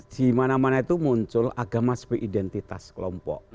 di mana mana itu muncul agama sebagai identitas kelompok